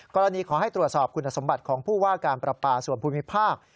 ขอให้ตรวจสอบคุณสมบัติของผู้ว่าการประปาส่วนภูมิภาค